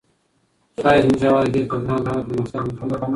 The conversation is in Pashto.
ښايي زموږ هیواد د دې تګلاري له لاري پرمختګ وکړي.